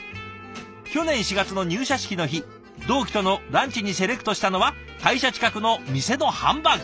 去年４月の入社式の日同期とのランチにセレクトしたのは会社近くの店のハンバーグ。